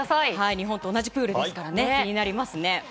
日本と同じプールですから気になりますね。